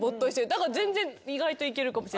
だから全然意外といけるかも。